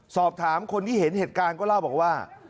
สอบถามคนที่เห็นเหตุการณ์ก็เล่าบอกว่า